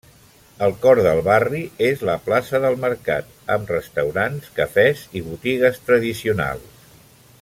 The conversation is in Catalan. El cor del barri és la plaça del Mercat, amb restaurants, cafés i botigues tradicionals.